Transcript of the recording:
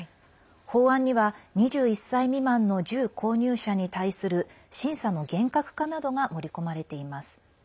法案には２１歳未満の銃購入者に対する審査の厳格化などが盛り込まれています。